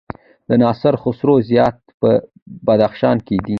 د ناصر خسرو زيارت په بدخشان کی دی